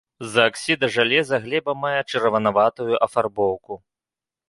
З-за аксідаў жалеза глеба мае чырванаватую афарбоўку.